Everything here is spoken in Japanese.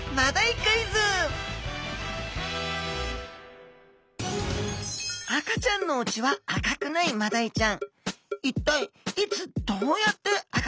クイズ赤ちゃんのうちは赤くないマダイちゃん。